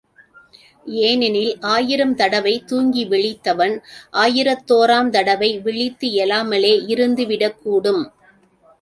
ஏனெனில், ஆயிரம் தடவை தூங்கி விழித்தவன், ஆயிரத்தோராம் தடவை விழித்து எழாமலே இருந்து விடக்கூடும்.